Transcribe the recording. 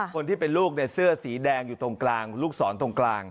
คนที่เป็นลูกเสื้อสีแดงอยู่ตรงกลางลูกศรตรงกลาง